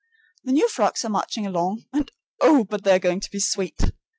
The new frocks are marching along, and, oh, but they are going to be sweet!